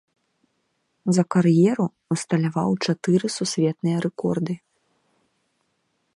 За кар'еру усталяваў чатыры сусветныя рэкорды.